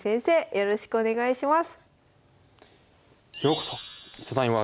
よろしくお願いします。